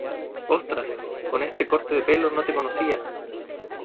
Ostras, con este corte de pelo no te conocía.